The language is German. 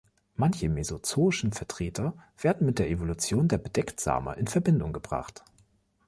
Manche mesozoischen Vertreter werden mit der Evolution der Bedecktsamer in Verbindung gebracht.